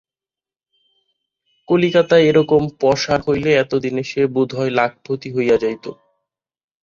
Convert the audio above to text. কলিকাতায় এরকম পশার হইলে এতদিনে সে বোধ হয় লাখপতি হইয়া যাইত।